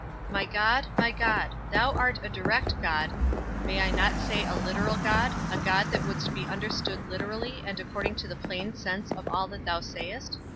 My God, my God, thou art a direct God, may I not say a literal God, a God that wouldst be understood literally and according to the plain sense of all that thou sayest?